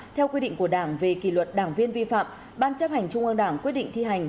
theo quy định của đảng về kỷ luật đảng viên vi phạm ban chấp hành trung ương đảng quyết định thi hành